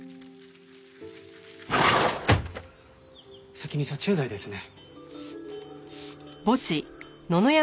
先に殺虫剤ですね。